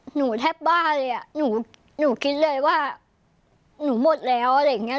หนูแทบบ้าเลยอ่ะหนูคิดเลยว่าหนูหมดแล้วอะไรอย่างเงี้